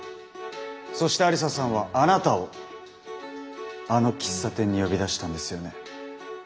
そして愛理沙さんはあなたをあの喫茶店に呼び出したんですよね？